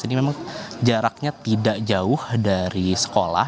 namun jaraknya tidak jauh dari sekolah